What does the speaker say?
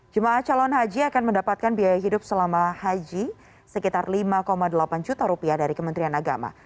jemaah calon haji akan mendapatkan biaya hidup selama haji sekitar lima delapan juta rupiah dari kementerian agama